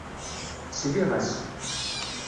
Sliɣ-as.